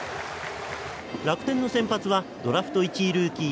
楽天の先発はドラフト１位ルーキー。